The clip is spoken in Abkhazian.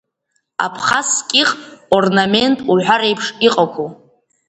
Абхазскиҟ орнамент уҳәа реиԥш иҟақәоу.